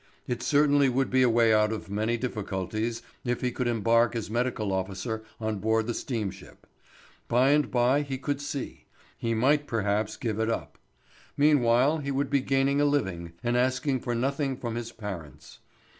It certainly would be a way out of many difficulties if he could embark as medical officer on board the steamship. By and by he could see; he might perhaps give it up. Meanwhile he would be gaining a living, and asking for nothing from his parents.